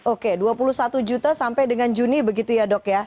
oke dua puluh satu juta sampai dengan juni begitu ya dok ya